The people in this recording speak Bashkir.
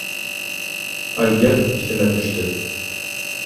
Альберт иҫемә төштө.